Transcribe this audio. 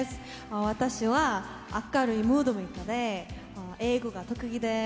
私は明るいムードメーカーで、英語が特技です。